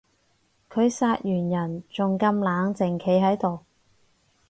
佢殺完人仲咁冷靜企喺度